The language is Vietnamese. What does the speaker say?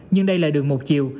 nhưng đây là đường một chiều